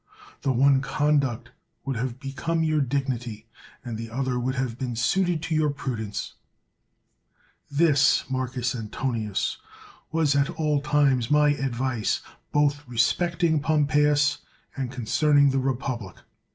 The one conduct would have become your dignity, and the other would have been suited to your pru dence." This, Marcus Antonius, was at all times my advice both respecting Pompeius and concerning the republic.